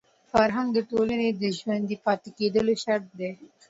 فرهنګ د ټولني د ژوندي پاتې کېدو شرط دی.